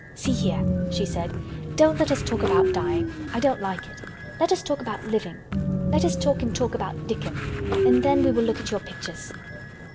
"See here," she said. "Don't let us talk about dying; I don't like it. Let us talk about living. Let us talk and talk about Dickon. And then we will look at your pictures."